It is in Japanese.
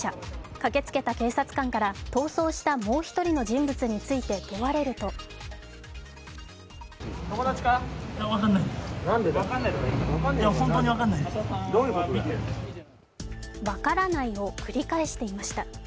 駆けつけた警察官から逃走したもう１人の人物について問われると分からないを繰り返していました。